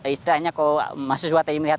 istilahnya kok mahasiswa tadi melihat